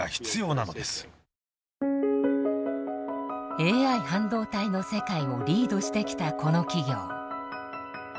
ＡＩ半導体の世界をリードしてきたこの企業。